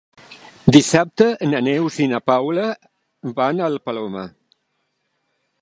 Dissabte na Neus i na Paula van al Palomar.